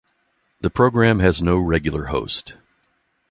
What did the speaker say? The program has no regular host.